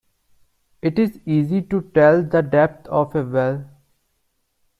It's easy to tell the depth of a well.